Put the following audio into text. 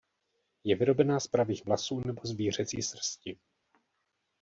Je vyrobená z pravých vlasů nebo zvířecí srsti.